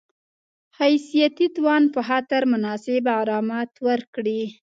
حیثیتي تاوان په خاطر مناسب غرامت ورکړي